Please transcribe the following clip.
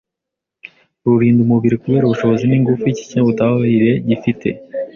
rurinda umubiri kubera ubushobozi n’ingufu iki kinyabutabire gifite,